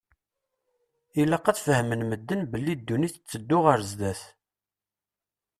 Ilaq ad fehmen medden belli ddunit tetteddu ar zdat.